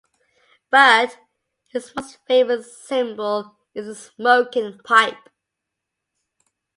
But, his most famous symbol is the smoking pipe.